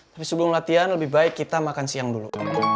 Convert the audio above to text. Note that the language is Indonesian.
tapi sebelum latihan lebih baik kita makan siang dulu